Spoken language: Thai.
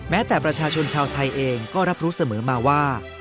แต่ประชาชนชาวไทยเองก็รับรู้เสมอมาว่า